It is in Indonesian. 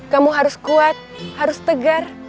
kamu harus kuat harus tegar